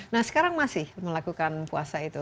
nah sekarang masih melakukan puasa itu